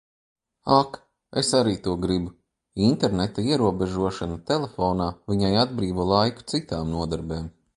Ak, es arī to gribu! interneta ierobežošana telefonā viņai atbrīvo laiku citām nodarbēm.